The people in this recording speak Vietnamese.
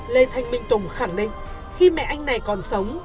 lê thanh minh tùng khẳng định khi mẹ anh này còn sống